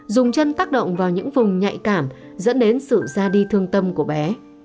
dùng chân tác động vào những vùng nhạy cảm dẫn đến sự ra đi thương tâm của bé